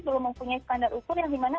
belum mempunyai standar ukur yang dimana